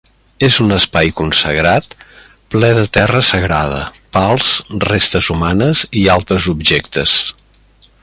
És un espai consagrat ple de terra sagrada, pals, restes humanes i altres objectes.